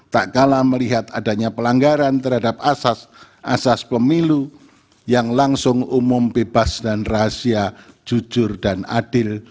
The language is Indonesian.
tak kalah melihat adanya pelanggaran terhadap asas asas pemilu yang langsung umum bebas dan rahasia jujur dan adil